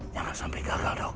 jangan sampai gagal dok